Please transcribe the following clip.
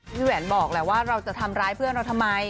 แหวนบอกแหละว่าเราจะทำร้ายเพื่อนเราทำไม